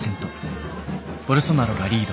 ボルソナロがリード。